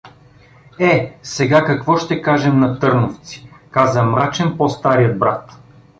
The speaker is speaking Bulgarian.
— Е, сега какво ще кажем на тьрновци? — каза мрачен по-старият брат.